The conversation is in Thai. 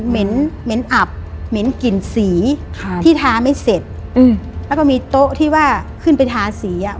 เหม็นเหม็นอับเหม็นกลิ่นสีครับที่ทาไม่เสร็จอืมแล้วก็มีโต๊ะที่ว่าขึ้นไปทาสีอ่ะ